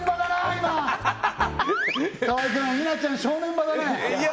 今河井君稲ちゃん正念場だねいや